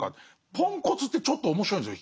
ポンコツってちょっと面白いんですよ